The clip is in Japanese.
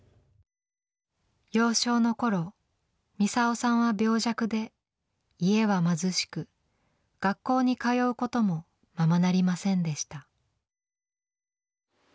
幼少の頃ミサオさんは病弱で家は貧しく学校に通うこともままなりませんでした。